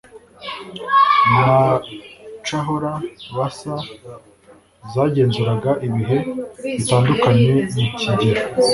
na cahora bassa zagenzuraga ibihe bitandukanye mu kigero